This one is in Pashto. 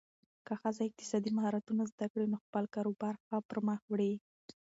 که ښځه اقتصادي مهارتونه زده کړي، نو خپل کاروبار ښه پرمخ وړي.